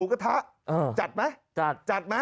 หมูกะทะจัดไหม